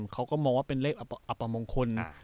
เขาก็มองว่าเป็นเลขอัปมงคล